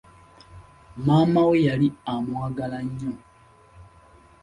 Maama we yali amwagala nnyo.